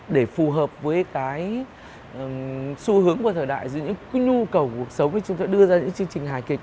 để phù hợp với cái xu hướng của thời đại dưới những nhu cầu của cuộc sống thì chúng tôi đã đưa ra những chương trình hài kịch